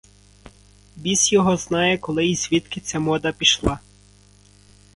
Біс його знає, коли й звідки ця мода пішла.